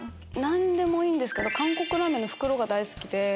何でもいいんですけど韓国ラーメンの袋が大好きで。